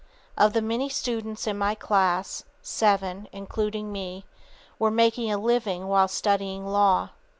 Of the many students in my class, seven, including me, were making a living while studying law.